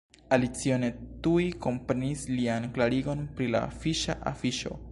Alicio ne tuj komprenis lian klarigon pri la fiŝa afiŝo.